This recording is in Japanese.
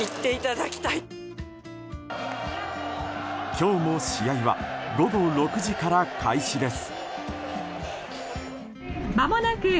今日も試合は午後６時から開始です。